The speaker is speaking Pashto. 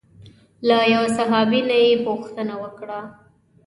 له یوه صحابي نه یې پوښتنه وکړه.